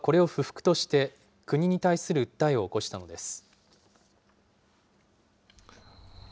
夫はこれを不服として、国に対する訴えを起こしたのです。